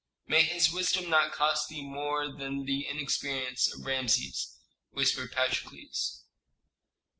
"May his wisdom not cost thee more than the inexperience of Rameses," whispered Patrokles.